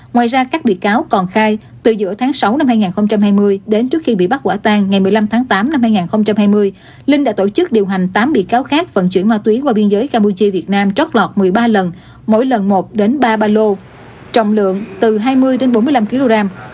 ngoài ra các bị cáo còn khai từ giữa tháng sáu năm hai nghìn hai mươi đến trước khi bị bắt quả tang ngày một mươi năm tháng tám năm hai nghìn hai mươi linh đã tổ chức điều hành tám bị cáo khác vận chuyển ma túy qua biên giới campuchia việt nam trót lọt một mươi ba lần mỗi lần một đến ba ba lô trọng lượng từ hai mươi đến bốn mươi năm kg